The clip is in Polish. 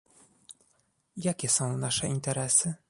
Jakie są nasze interesy?